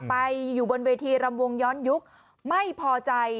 ไปอยู่บนเวทีรำวงย้อนยุคไม่พอใจ